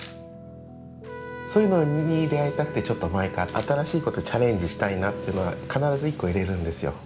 そういうのに出会いたくてちょっと毎回新しいことチャレンジしたいなというのは必ず１個入れるんですよ。